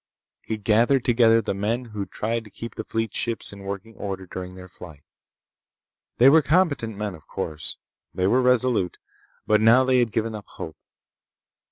He gathered together the men who'd tried to keep the fleet's ships in working order during their flight. They were competent men, of course. They were resolute. But now they had given up hope.